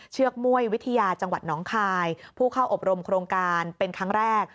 เชือกม่วยวิทยาจังหวัดน้องคายผู้เข้าอบรมโครงการเป็นครั้งแรก